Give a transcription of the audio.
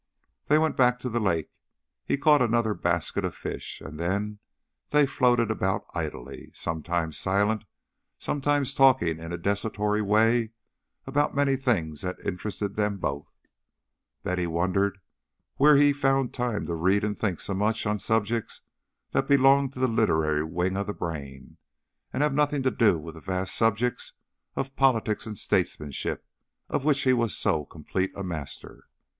They went back to the lake. He caught another basket of fish, and then they floated about idly, sometimes silent, sometimes talking in a desultory way about many things that interested them both. Betty wondered where he had found time to read and think so much on subjects that belong to the literary wing of the brain and have nothing to do with the vast subjects of politics and statesmanship, of which he was so complete a master.